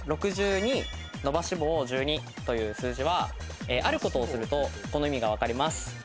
この６２−１２という数字は、あることをするとこの意味がわかります。